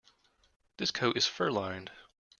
This coat is fur-lined.